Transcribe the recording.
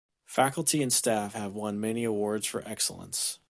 Faculty and staff have won many awards for excellence.